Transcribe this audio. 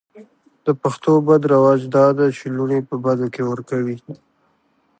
د پښتو بد رواج دا ده چې لوڼې په بدو کې ور کوي.